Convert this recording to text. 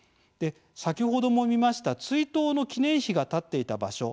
先ほども見ました追悼の記念碑が建っていた場所